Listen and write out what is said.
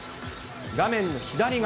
画面の左側。